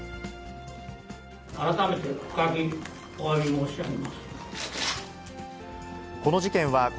改めて深くおわび申し上げます。